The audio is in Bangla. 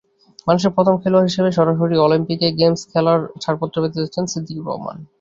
বাংলাদেশের প্রথম খেলোয়াড় হিসেবে সরাসরি অলিম্পিক গেমসে খেলার ছাড়পত্র পেতে যাচ্ছেন সিদ্দিকুর রহমান।